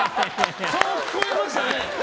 そう聞こえましたね。